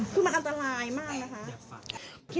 คือมันอันตรายมากนะคะ